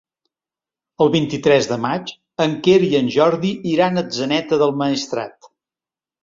El vint-i-tres de maig en Quer i en Jordi iran a Atzeneta del Maestrat.